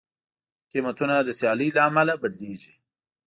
قیمتونه د سیالۍ له امله بدلېږي.